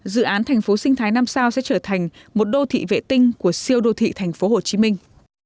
dự án thành phố sinh thái năm sao sẽ trở thành một đô thị vệ tinh của siêu đô thị thành phố hồ chí minh